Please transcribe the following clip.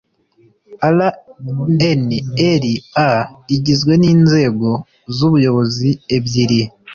rnra igizwe n inzego z ubuyobozi ebyiri